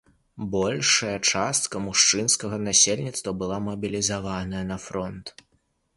Большая частка мужчынскага насельніцтва была мабілізавана на фронт.